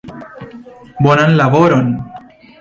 Bonan laboron!